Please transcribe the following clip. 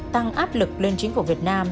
tăng áp lực lên chính phủ việt nam